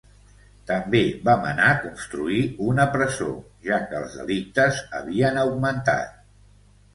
També va manar construir una presó, ja que els delictes havien augmentat.